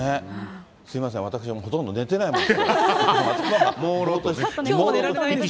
すみません、私ほとんど寝てないもので。